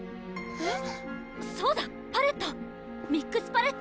⁉えっ？